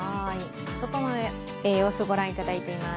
外の様子をご覧いただいています。